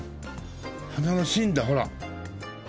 花の芯だほら。